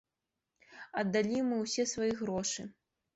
Аддалі мы ўсе свае грошы.